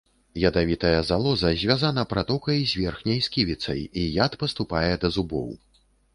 Ядавітая залоза звязана пратокай з верхняй сківіцай, і яд паступае да зубоў.